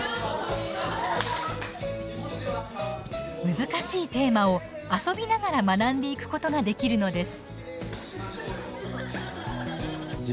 難しいテーマを遊びながら学んでいくことができるのです。